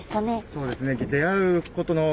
そうですね。